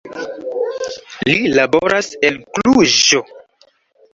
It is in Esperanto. Li laboras en Kluĵo.